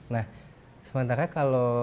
nah sementara kalau